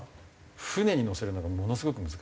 船に載せるのがものすごく難しい。